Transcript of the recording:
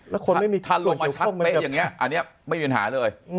ถ้าลงมาชัดเป๊ะอย่างนี้อันนี้ไม่มีปัญหาเลย